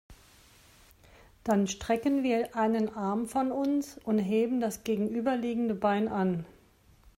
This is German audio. Dann strecken wir einen Arm von uns und heben das gegenüberliegende Bein an.